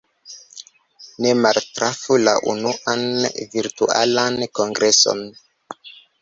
Ne maltrafu la unuan Virtualan Kongreson!